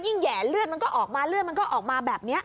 แห่เลือดมันก็ออกมาเลือดมันก็ออกมาแบบนี้